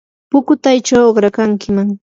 pukutaychaw uqrakankiman.